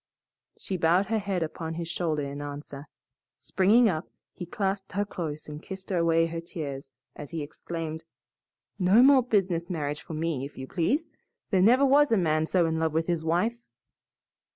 She bowed her head upon his shoulder in answer. Springing up, he clasped her close and kissed away her tears as he exclaimed, "No more business marriage for me, if you please. There never was a man so in love with his wife."